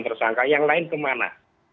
tersangka yang lain kemana